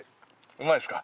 うまいですか？